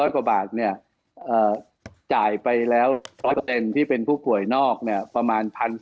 ๒๕๐๐กว่าบาทเนี่ยจ่ายไปแล้วเป็นผู้ป่วยนอกเนี่ยประมาณ